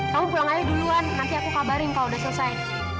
kamu pulang aja duluan nanti aku kabarin kalau udah selesai